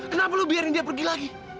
kenapa lo biarin dia pergi lagi